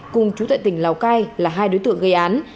cùng chú tại tỉnh lào cai là hai đối tượng gây án